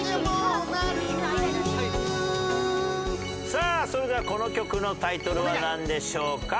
さあそれではこの曲のタイトルはなんでしょうか？